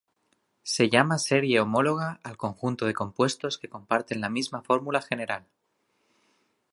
Se llama serie homóloga al conjunto de compuestos que comparten la misma fórmula general.